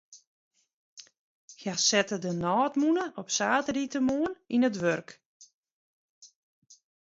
Hja sette de nôtmûne op saterdeitemoarn yn it wurk.